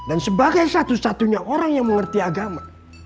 dan juga sebagai satu satunya orang yang mengerti agama